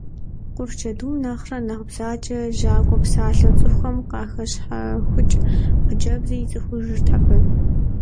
Къурш джэдум нэхърэ нэхъ бзаджэрэ жьакӏуэу псалъэу цӏыхухэм къахэщхьэхукӏ хъыджэбзыр ицӏыхужырт абы.